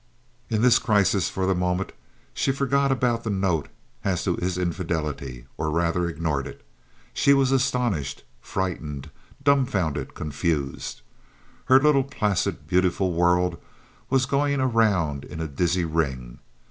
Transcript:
In this crisis, for the moment, she forgot about the note as to his infidelity, or rather ignored it. She was astonished, frightened, dumbfounded, confused. Her little, placid, beautiful world was going around in a dizzy ring.